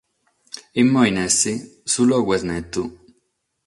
Como, nessi, su logu est netu.